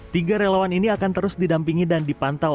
tiga relawan ini akan terus didampingi dan dipantau